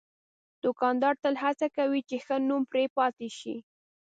دوکاندار تل هڅه کوي چې ښه نوم پرې پاتې شي.